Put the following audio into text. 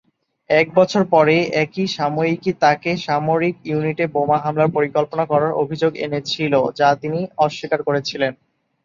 এক বছর পরে একই সাময়িকী তাকে সামরিক ইউনিটে বোমা হামলার পরিকল্পনা করার অভিযোগ এনেছিল, যা তিনি অস্বীকার করেছিলেন।